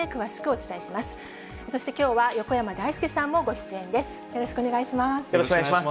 そしてきょうは、横山だいすけさんもご出演です。